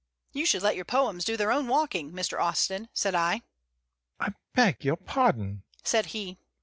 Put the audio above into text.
"You should let your poems do their own walking, Mr. Austin," said I. "I beg your pardon," said he.